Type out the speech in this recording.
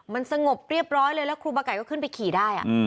มันสงบเรียบร้อยเลยแล้วครูบาไก่ก็ขึ้นไปขี่ได้